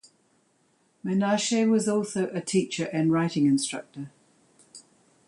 Menashe was also a teacher and writing instructor.